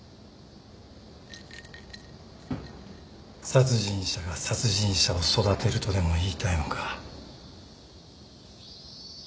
殺人者が殺人者を育てるとでも言いたいのか？